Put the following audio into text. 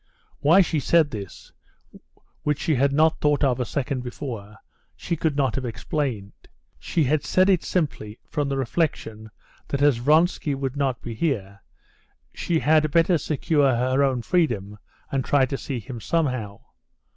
Why she said this, which she had not thought of a second before, she could not have explained. She had said it simply from the reflection that as Vronsky would not be here, she had better secure her own freedom, and try to see him somehow.